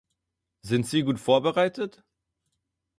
Sind Sie gut vorbereitet?